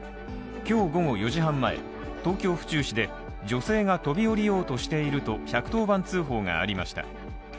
今日午後４時半前、東京・府中市で女性が飛び降りようとしていると１１０番通報がありました。